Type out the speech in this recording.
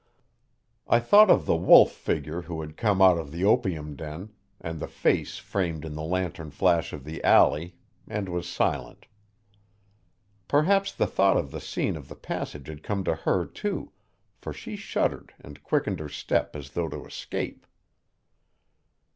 I thought of the wolf figure who had come out of the opium den, and the face framed in the lantern flash of the alley, and was silent. Perhaps the thought of the scene of the passage had come to her, too, for she shuddered and quickened her step as though to escape.